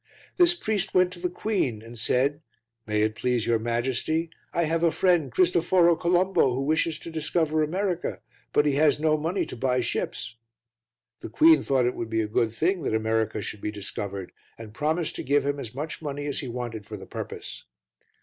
This priest went to the queen and said, 'May it please your Majesty, I have a friend, Cristoforo Colombo, who wishes to discover America but he has no money to buy ships.' The queen thought it would be a good thing that America should be discovered and promised to give him as much money as he wanted for the purpose."